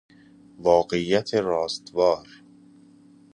واقعیت راستوار